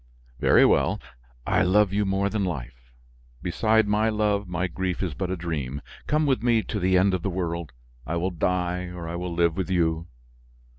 "Very well, I love you more than life. Beside my love, my grief is but a dream. Come with me to the end of the world, I will die or I will live with you."